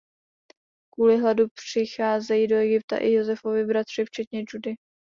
Kvůli hladu přicházejí do Egypta i Josefovi bratři včetně Judy.